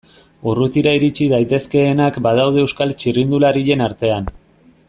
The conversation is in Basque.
Urrutira iritsi daitezkeenak badaude Euskal txirrindularien artean.